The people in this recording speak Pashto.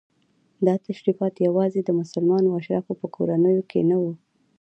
دا تشریفات یوازې د مسلمانو اشرافو په کورنیو کې نه وو.